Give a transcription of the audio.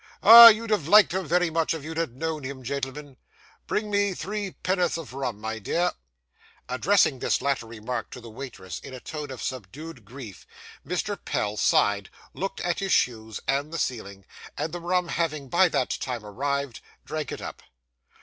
Ah! you'd have liked him very much if you had known him, gentlemen. Bring me three penn'orth of rum, my dear.' Addressing this latter remark to the waitress, in a tone of subdued grief, Mr. Pell sighed, looked at his shoes and the ceiling; and, the rum having by that time arrived, drank it up.